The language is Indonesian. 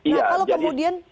nah kalau kemudian